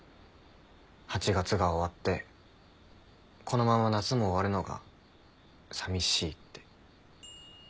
８月が終わってこのまま夏も終わるのがさみしいって。